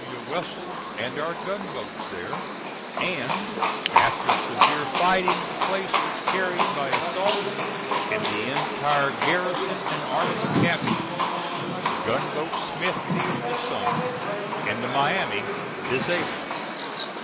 W. Wessells, and our gunboats there, and, after severe fighting, the place was carried by assault, and the entire garrison and armament captured. The gunboat Smithfield was sunk, and the Miami disabled.